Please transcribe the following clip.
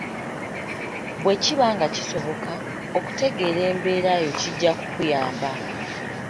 Bwe kiba nga kisoboka, okutegeeera embeera yo kijja kukuyamba.